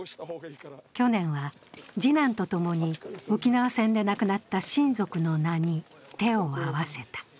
去年は次男とともに沖縄戦で亡くなった親族の名に手を合わせた。